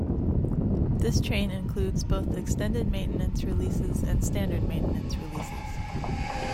This train includes both extended maintenance releases and standard maintenance releases.